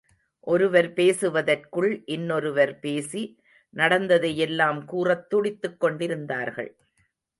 ஒருவர் பேசுவதற்குள் இன்னொருவர் பேசி, நடந்ததையெல்லாம் கூறத் துடித்துக் கொண்டிருந்தார்கள்.